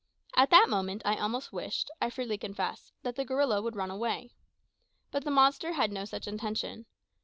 At that moment I almost wished, I freely confess, that the gorilla would run away. But the monster had no such intention.